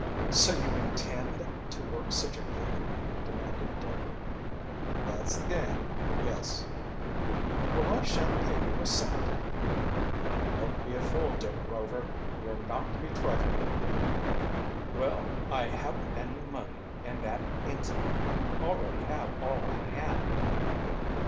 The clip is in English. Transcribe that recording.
"So you intend to work such a game?" demanded Dick. "That's the game, yes." "Well, I shan't pay you a cent." "Don't be a fool, Dick Rover. We are not to be trifled with." "Well, I haven't any money, and that ends it. You already have all I had."